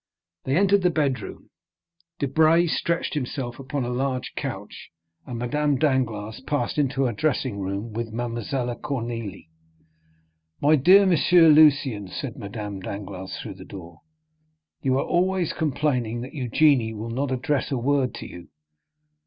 They entered the bedroom. Debray stretched himself upon a large couch, and Madame Danglars passed into her dressing room with Mademoiselle Cornélie. "My dear M. Lucien," said Madame Danglars through the door, "you are always complaining that Eugénie will not address a word to you."